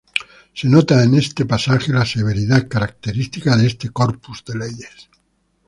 Se nota en este pasaje la severidad característica de este corpus de leyes.